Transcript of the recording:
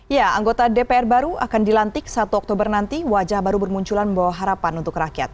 ya anggota dpr baru akan dilantik satu oktober nanti wajah baru bermunculan membawa harapan untuk rakyat